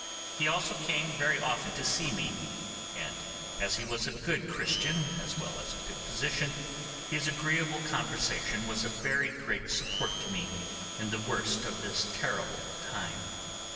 He also came very often to see me, and as he was a good Christian as well as a good physician, his agreeable conversation was a very great support to me in the worst of this terrible time.